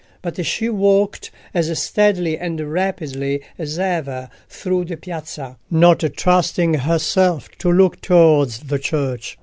But she walked as steadily and rapidly as ever through the piazza, not trusting herself to look towards the church.